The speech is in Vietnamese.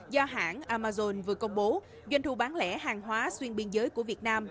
do hãng amazon vừa công bố doanh thu bán lẻ hàng hóa xuyên biên giới của việt nam